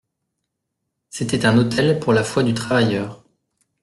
C'était un autel pour la foi du travailleur.